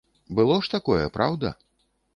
Было ж такое, праўда?